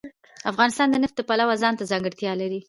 افغانستان د نفت د پلوه ځانته ځانګړتیا لري.